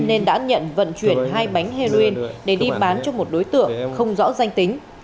nên đã nhận vận chuyển hai bánh heroin để đi bán cho một đối tượng không rõ danh tính